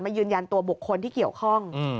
ยืนยันตัวบุคคลที่เกี่ยวข้อง